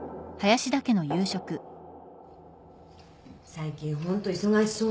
最近ホント忙しそうね。